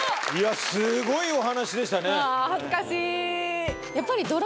すごいお話でしたね。